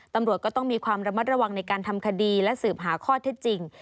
ตำรวจก็ต้องมีความระมัดระวังในการทำคดีและสืบหาข้อเท็จจริง